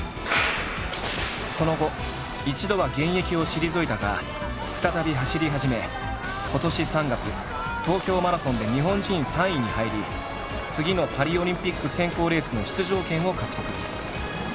その後一度は現役を退いたが再び走り始め今年３月東京マラソンで日本人３位に入り次のパリオリンピック選考レースの出場権を獲得。